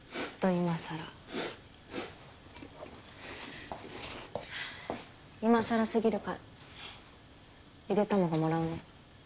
今さらすぎるからゆで卵もらうね。